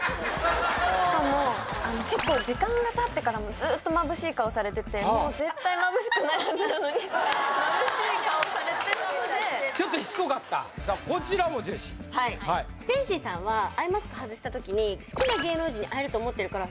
しかも結構時間がたってからもずっとまぶしい顔されててもう絶対まぶしくないはずなのにまぶしい顔されてたのでちょっとしつこかったさあこちらもジェシーはいはい好きな芸能人に会えると思ってるから